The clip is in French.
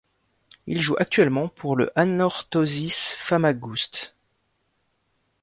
Il joue actuellement pour le Anorthosis Famagouste.